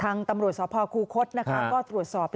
ทางตำรวจสภาคูคศนะคะก็ตรวจสอบแล้ว